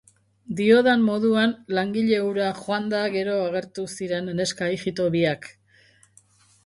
Diodan moduan, langile hura joanda gero agertu ziren neska ijito biak.